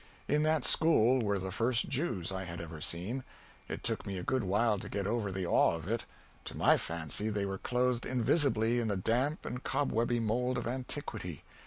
In that school were the first Jews I had ever seen. It took me a good while to get over the awe of it. To my fancy they were clothed invisibly in the damp and cobwebby mould of antiquity.